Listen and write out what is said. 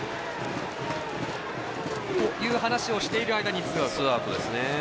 という話をしている間にツーアウト。